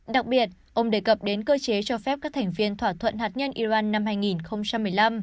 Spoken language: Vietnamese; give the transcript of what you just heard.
đặc biệt ông đề cập đến cơ chế cho phép các thành viên thỏa thuận hạt nhân iran năm hai nghìn một mươi năm